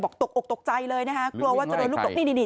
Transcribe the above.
บอกตกตกตกใจเลยนะคะกลัวว่าจะโดยลูกตกนี่นี่นี่